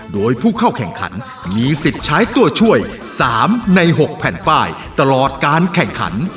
โดยผู้เข้าแข่งขันมีสิทธิ์ใช้ตัวช่วย๓ใน๖แผ่นป้ายตลอดการแข่งขัน